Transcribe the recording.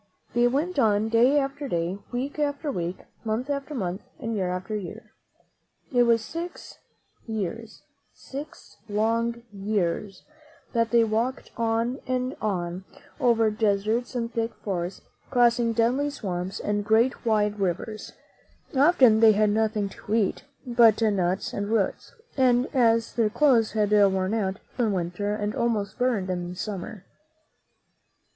They went on day after day, week after week, month after month, and year after year. It was six years, six long years, that they walked on and on over deserts and thick forests, crossing deadly '.«*'/»)^' UtUUlitt M^O} lUi THE NOBLE WHO BECAME SLAVE ^' ;^'i>: >f>' swamps and great, wide rivers. Often they had nothing to eat but nuts and roots, and as their clothes had worn out, they froze in winter and ahiiost burned in summer.